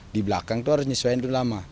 di belakang itu harus menyesuaikan dulu lama